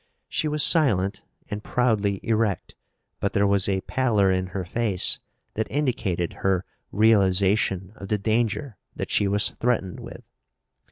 She was silent and proudly erect but there was a pallor in her face that indicated her realization of the danger that she was threatened with.